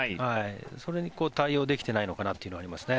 それに対応できていないのかなというのはありますね。